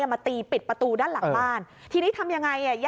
มาตีปิดประตูด้านหลังบ้านทีนี้ทำยังไงอ่ะ